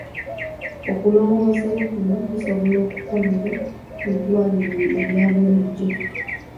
Okulongoosebwa kuno kusobola okukolebwa mu ddwaliro erya bulijjo.